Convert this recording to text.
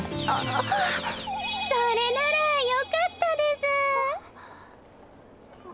それならよかったです。